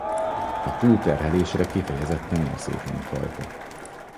A túlterhelésre kifejezetten érzékeny fajta.